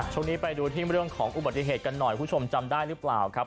ช่วงนี้ไปดูที่เรื่องของอุบัติเหตุกันหน่อยคุณผู้ชมจำได้หรือเปล่าครับ